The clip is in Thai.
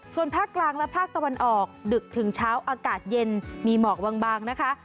ส่วนภาคกลางและภาคตะวันออกดึกถึงเช้าอากาศเย็นมีหมอกบางนะคะ